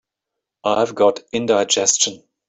I've got indigestion.